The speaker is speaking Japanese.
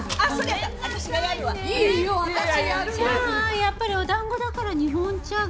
やっぱりお団子だから日本茶が。